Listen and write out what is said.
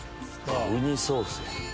ウニソース。